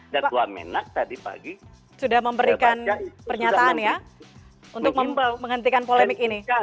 dan tua menak tadi pagi sudah memberikan pernyataan untuk menghentikan polemik ini